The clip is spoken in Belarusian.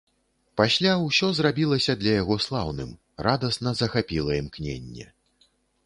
Пасля ўсё зрабілася для яго слаўным, радасна захапіла імкненне.